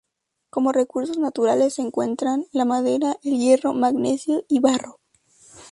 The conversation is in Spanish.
Como recursos naturales se encuentran la madera, el hierro, magnesio y barro.